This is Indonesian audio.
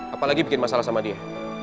apalagi bikin masalah sama dia